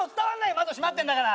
窓閉まってんだから。